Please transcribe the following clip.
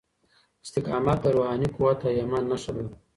استقامت د روحاني قوت او ايمان نښه ده.